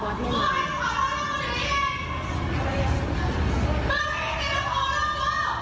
พนักงานในร้าน